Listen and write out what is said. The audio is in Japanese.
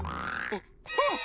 あっわっ！